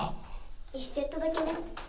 １セットだけね。